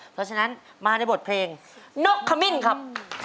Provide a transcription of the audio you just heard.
เพราะฉะนั้นมาในบทเพลงนกขมิ้นครับ